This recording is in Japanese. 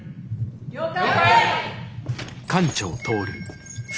了解！